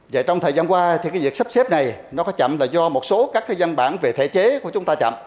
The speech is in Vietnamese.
vậy trong thời gian qua việc sắp xếp này có chậm là do một số các dân bản về thể chế của chúng ta chậm